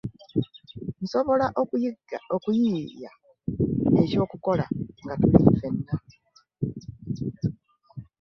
Nsobola okuyiiya ekyokukola nga tuli ffena.